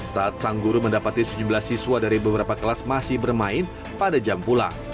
saat sang guru mendapati sejumlah siswa dari beberapa kelas masih bermain pada jam pulang